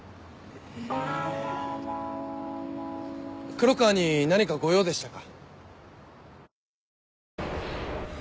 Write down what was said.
黒川に何かご用でしたか？